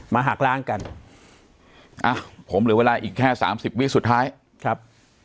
หักล้างกันอ้าวผมเหลือเวลาอีกแค่สามสิบวิสุดท้ายครับ